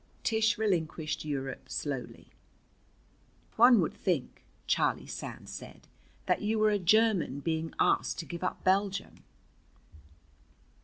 Tish relinquished Europe slowly. "One would think," Charlie Sands said, "that you were a German being asked to give up Belgium."